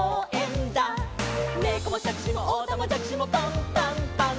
「ねこもしゃくしもおたまじゃくしもパンパンパン！！」